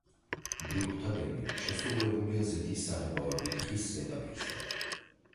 ბრიყვთა გემი შესრულებულია ზეთის საღებავებით ხის ზედაპირზე.